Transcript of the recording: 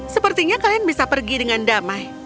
sepertinya kalian bisa pergi dengan damai